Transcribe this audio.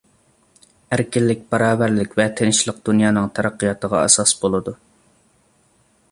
ئەركىنلىك، باراۋەرلىك ۋە تىنچلىق دۇنيانىڭ تەرەققىياتىغا ئاساس بولىدۇ.